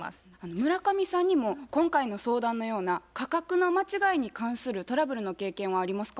村上さんにも今回の相談のような価格の間違いに関するトラブルの経験はありますか？